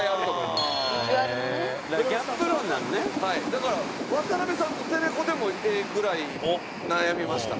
だから渡辺さんとテレコでもええぐらい悩みました